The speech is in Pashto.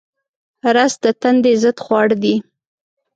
رس د تندې ضد خواړه دي